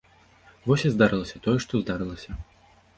Вось і здарылася тое, што здарылася.